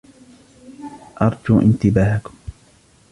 أرجو إنتباهكم!